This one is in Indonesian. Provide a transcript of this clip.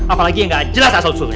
apalagi yang gak jelas asal sulhnya